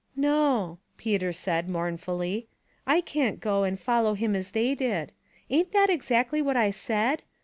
"No," Peter said, mournfully; ''I can't go and follow him as they did. Ain't that exactly what I said?